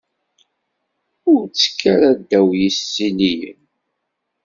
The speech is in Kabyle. Ur ttekk ara ddaw yisiliyen.